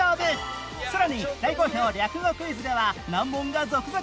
さらに大好評略語クイズでは難問が続々！